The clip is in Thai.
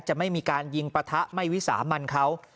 จะไม่มีการยิงปะทะไม่วิสามันเขา